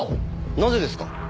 なぜですか？